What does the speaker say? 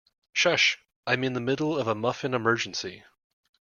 Shush! I'm in the middle of a muffin emergency.